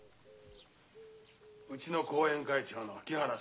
うちの後援会長の木原さんだ。